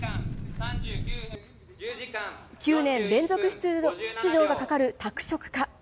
９年連続出場がかかる拓殖か。